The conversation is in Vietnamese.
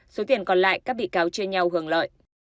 số tiền còn lại các bị cáo chia nhau hưởng lợi